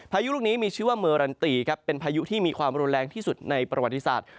พายุลูกนี้มีชื่อว่าเมอรันตีครับเป็นพายุที่มีความรุนแรงที่สุดในประวัติศาสตร์